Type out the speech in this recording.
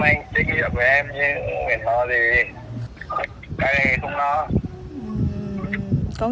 anh trách nhiệm với em